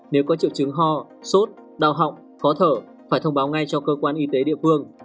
nếu có triệu chứng ho sốt đau họng khó thở phải thông báo ngay cho cơ quan y tế địa phương